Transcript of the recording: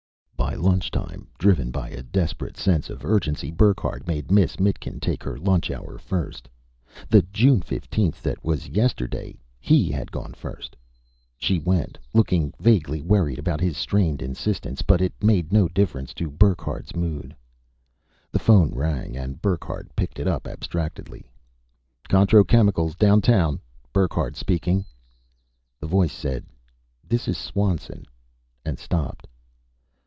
By lunchtime, driven by a desperate sense of urgency, Burckhardt made Miss Mitkin take her lunch hour first the June fifteenth that was yesterday, he had gone first. She went, looking vaguely worried about his strained insistence, but it made no difference to Burckhardt's mood. The phone rang and Burckhardt picked it up abstractedly. "Contro Chemicals Downtown, Burckhardt speaking." The voice said, "This is Swanson," and stopped.